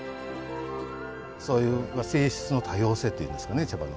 そういう「性質の多様性」って言うんですかね茶葉の。